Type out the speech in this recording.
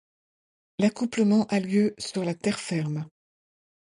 L'accouplement a lieu sur la terre ferme.